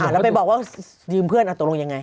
แล้วไปบอกว่ายืมเพื่อนตกลงยังไง